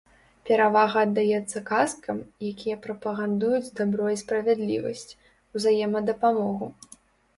Перавага аддаецца казкам, якія прапагандуюць дабро і справядлівасць, узаемадапамогу.